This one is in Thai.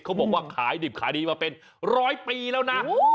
เขาบอกว่าขายดิบขายดีมาเป็นร้อยปีแล้วนะ